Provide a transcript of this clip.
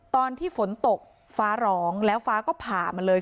ตอนที่ฝนตกฟ้าร้องแล้วฟ้าก็ผ่ามาเลย